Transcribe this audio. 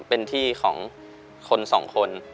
เป็นที่ของคนสองคน